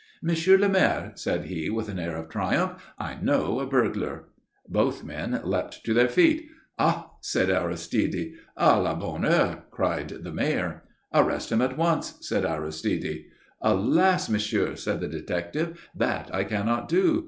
"Monsieur le Maire," said he, with an air of triumph, "I know a burglar." Both men leapt to their feet. "Ah!" said Aristide. "A la bonne heure!" cried the Mayor. "Arrest him at once," said Aristide. "Alas, Monsieur," said the detective, "that I cannot do.